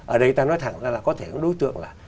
ở đây ta nói thẳng ra là có thể có đối tượng là